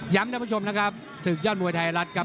ท่านผู้ชมนะครับศึกยอดมวยไทยรัฐครับ